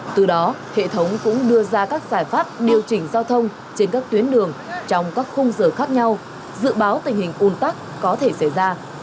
từ đó hệ thống cũng đưa ra các giải pháp điều chỉnh giao thông trên các tuyến đường trong các khung giờ khác nhau dự báo tình hình un tắc có thể xảy ra